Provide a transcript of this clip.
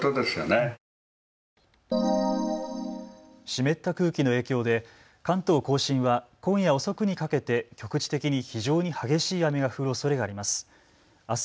湿った空気の影響で関東甲信は今夜遅くにかけて局地的に非常に激しい雨が降るおそれがあります。